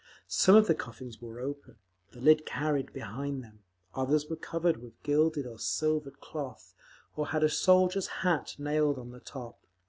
Some of the coffins were open, the lid carried behind them; others were covered with gilded or silvered cloth, or had a soldier's hat nailed on the top.